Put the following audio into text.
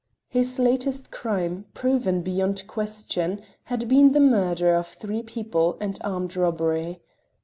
His latest crime, proven beyond question, had been the murder of three people and armed robbery.